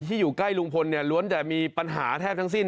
อยู่ใกล้ลุงพลเนี่ยล้วนแต่มีปัญหาแทบทั้งสิ้น